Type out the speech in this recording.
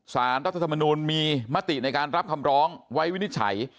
สารรัฐธรรมนูลมีมติในการรับคำร้องไว้วินิจฉัย